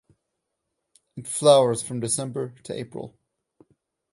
It flowers from December to April.